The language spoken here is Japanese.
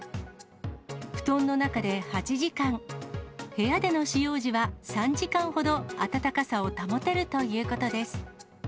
布団の中で８時間、部屋での使用時は３時間ほど暖かさを保てるということです。